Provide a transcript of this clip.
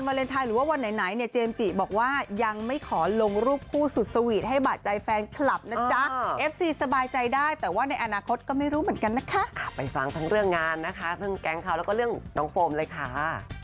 เพื่องแกงเคาร์และก็เรื่องน้องโฟมเลยค่ะ